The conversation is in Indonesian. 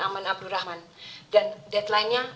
aman abdul rahman dan deadline nya